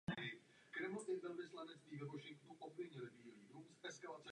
Je pojmenována podle stejnojmenné řeky.